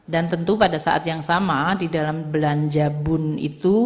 tentu pada saat yang sama di dalam belanja bun itu